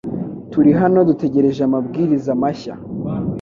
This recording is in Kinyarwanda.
Turi hano ubu dutegereje amabwiriza mashya .